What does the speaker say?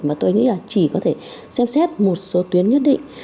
mà tôi nghĩ là chỉ có thể xem xét một số tuyến nhất định